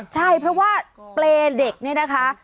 ใช่เพราะว่าเปรย์เด็กนี่นะคะ